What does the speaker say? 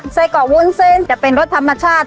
ไส้เกาะวุ้นเส้นจะเป็นรสธรรมชาติ